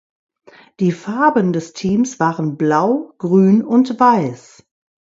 Die Farben des Teams waren blau, grün und weiß.